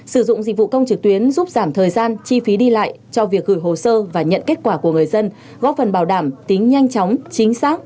sử dụng dịch vụ công trực tuyến có thể giúp người dân có thể giao dịch hai mươi bốn trên hai mươi bốn giờ trong ngày